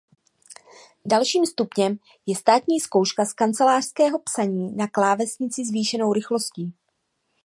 Dalším stupněm je státní zkouška z kancelářského psaní na klávesnici zvýšenou rychlostí.